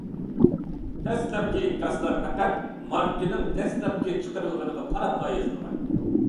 دەسلەپكى ئىنكاسلار پەقەت ماركىنىڭ دەسلەپكى چىقىرىلغىنىغا قاراپلا يېزىلغان.